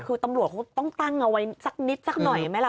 คือตำรวจเขาต้องตั้งเอาไว้สักนิดสักหน่อยไหมล่ะ